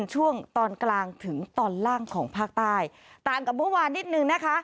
ช่วงตอนกลางถึงตอนล่างของภาคใต้ต่างกับเมื่อวานนิดนึงนะคะ